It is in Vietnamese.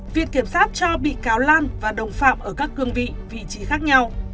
viện kiểm sát cho bị cáo lan và đồng phạm ở các cương vị vị trí khác nhau